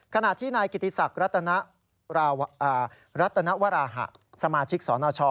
ขณะที่นายกิติศักดิ์รัตนวราหะสมาชิกสนช